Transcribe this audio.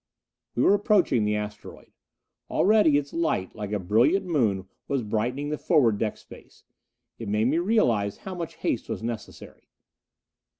We were approaching the asteroid. Already its light like a brilliant moon was brightening the forward deck space. It made me realize how much haste was necessary.